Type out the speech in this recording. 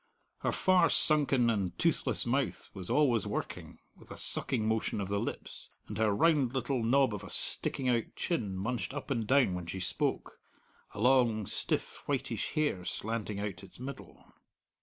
Her far sunken and toothless mouth was always working, with a sucking motion of the lips; and her round little knob of a sticking out chin munched up and down when she spoke, a long, stiff whitish hair slanting out its middle.